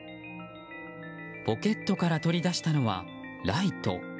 ポケットから取り出したのはライト。